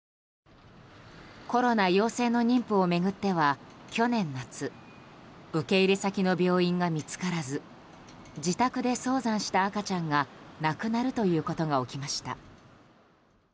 コロナ陽性の妊婦を巡っては去年夏受け入れ先の病院が見つからず自宅で早産した赤ちゃんが亡くなるということが起きました。